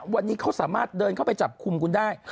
วันนี้เขาสามารถเดินเข้าไปจับคุมคุณได้